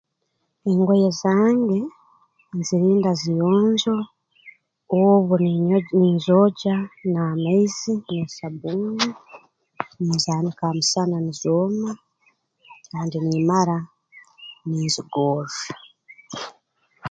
Engoye zange nzirinda ziyonjo obu ninyo ninzoogya n'amaizi n'esabbuuni ninzaanika ha musana nizooma kandi nimmara ninzigorra